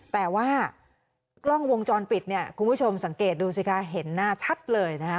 แต่ว่ากล้องวงจรปิดเนี่ยคุณผู้ชมสังเกตดูสิคะเห็นหน้าชัดเลยนะคะ